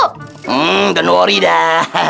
hmm gak nori dah